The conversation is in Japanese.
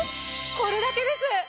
これだけです！